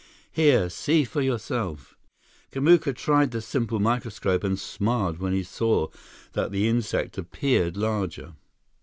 "Here, see for yourself." Kamuka tried the simple microscope and smiled when he saw that the insect appeared larger.